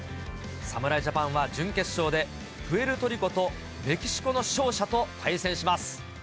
侍ジャパンは準決勝で、プエルトリコとメキシコの勝者と対戦します。